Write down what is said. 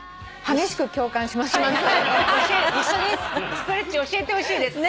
ストレッチ教えてほしいです。